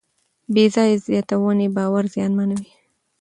بېځایه زیاتونې باور زیانمنوي.